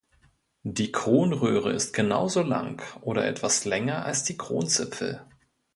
Die Kronröhre ist genauso lang oder etwas länger als die Kronzipfel.